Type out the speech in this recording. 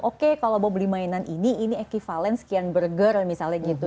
oke kalau mau beli mainan ini ini equivalen sekian burger misalnya gitu